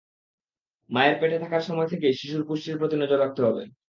মায়ের পেটে থাকার সময় থেকেই শিশুর পুষ্টির প্রতি নজর রাখতে হবে।